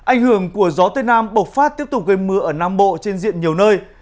ảnh hưởng của gió tây nam bộc phát tiếp tục gây mưa ở nam bộ trên diện nhiều nơi